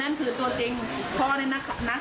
นั่นคือตัวจริง